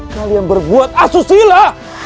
kalian berbuat asusila